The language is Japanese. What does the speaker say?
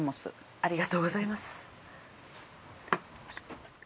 ありがとうございます。